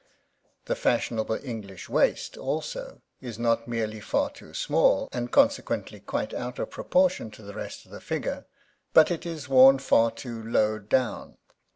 The fashionable English waist, also, is not merely far too small, and consequently quite out of proportion to the rest of the figure, but it is worn far too low down.